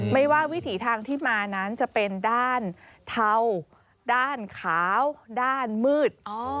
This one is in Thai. ไม่ว่าวิถีทางที่มานั้นจะเป็นด้านเทาด้านขาวด้านมืด